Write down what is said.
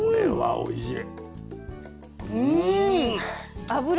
おいしい！